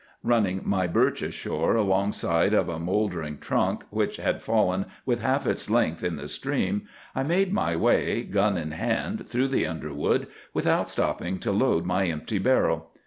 "Running my birch ashore alongside of a mouldering trunk which had fallen with half its length in the stream, I made my way, gun in hand, through the underwood, without stopping to load my empty barrel.